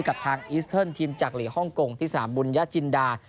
กับทางอีสเทิร์นทีมจากหลีกฮ่องกงที่สนามบุญญจินดา